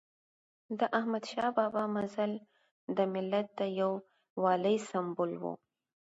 د احمد شاه بابا مزل د ملت د یووالي سمبول و.